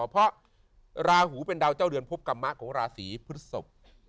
เพราะระหูเป็นดาวเจ้าเรือนภพฎำมะของระศรีพุทธศพ